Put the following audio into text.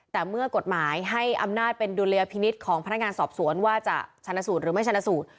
แต่เมื่อกฎหมายให้อำนาจเป็นดุลยพินิษฐ์ของพนักงานสอบสวนว่าจะชนะสูตรหรือไม่ชนะสูตร